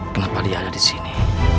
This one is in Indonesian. kenapa dia ada disini